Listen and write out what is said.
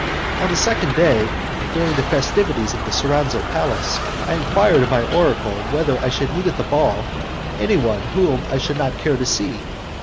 "On the second day, during the festivities at the Soranzo Palace, I enquired of my oracle whether I would meet at the ball anyone whom I should not care to see.